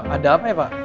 ada apa ya pak